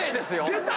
⁉出た！